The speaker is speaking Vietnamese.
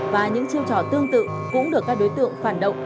và những chiêu trò tương tự cũng được các đối tượng phản động